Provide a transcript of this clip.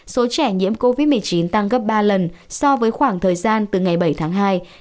số trẻ nhiễm covid một mươi chín tăng gấp ba lần so với khoảng thời gian từ ngày bảy tháng hai